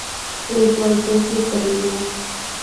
La inflorescencia es terminal.